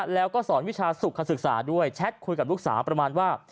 แล้วก็สอนวิชาสุขศึกษาด้วยแชทคุยกับลูกสาวประมาณว่า